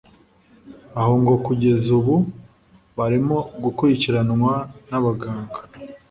aho ngo kugeza ubu barimo gukurikiranwa n’abaganga